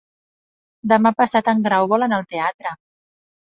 Demà passat en Grau vol anar al teatre.